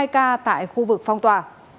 hai mươi hai ca tại khu vực phong tỏa